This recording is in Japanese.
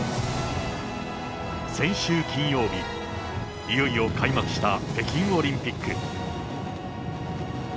先週金曜日、いよいよ開幕した北京オリンピック。